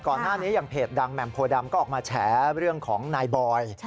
ก่อนหน้านี้อย่างเพจดังแหม่มโพดำก็ออกมาแฉเรื่องของนายบอย